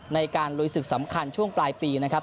ในการลุยศึกสำคัญช่วงปลายปีนะครับ